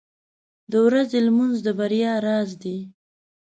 • د ورځې لمونځ د بریا راز دی.